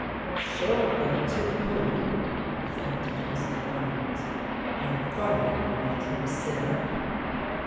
•• Short but to the point," reflected Mr. Bames. " I thought I would make him sit up."